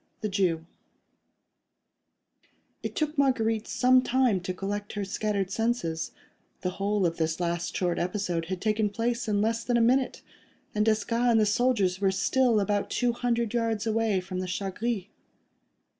THE JEW It took Marguerite some time to collect her scattered senses; the whole of this last short episode had taken place in less than a minute, and Desgas and the soldiers were still about two hundred yards away from the "Chat Gris."